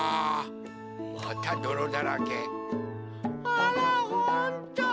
あらほんと。